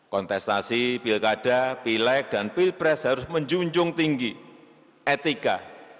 kontestasi pilkada pilek dan pilpres harus menjunjung tinggi etika